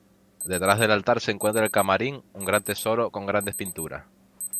Detrás del altar se encuentra el camarín, un gran tesoro, con grandes pinturas.